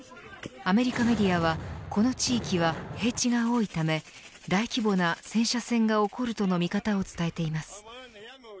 アメリカメディアはこの地域は平地が多いため大規模な戦車戦が起こるとの見方を伝えています。